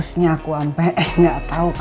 selamat mengalami papa